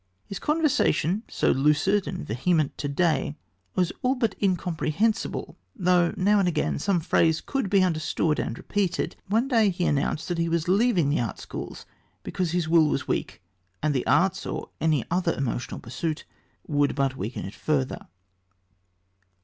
His conversation, so lucid and vehement to day, was all but incomprehensible, though now and again some phrase could be understood and repeated. One day he announced that he was leaving the Art Schools because his will was weak, and the arts or any other emotional pursuit would but weaken it further.